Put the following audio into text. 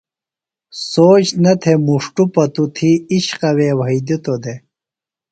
سوچ نہ تھےۡ مُݜٹوۡ پتوۡ تھی اِشقوے وھئدِتوۡ دےۡ۔